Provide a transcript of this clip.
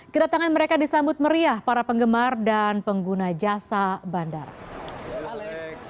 kedatangan mereka disambut meriah para penggemar dan pengguna jasa bandara